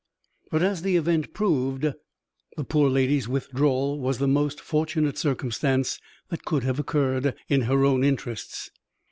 But, as the event proved, the poor lady's withdrawal was the most fortunate circumstance that could have occurred, in her own interests.